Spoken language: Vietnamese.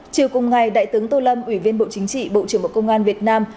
chiều cùng ngày đại tướng tô lâm ủy viên bộ chính trị bộ trưởng bộ công an việt nam